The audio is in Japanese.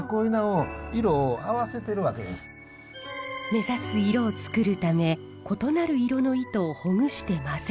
目指す色をつくるため異なる色の糸をほぐして混ぜる割杢。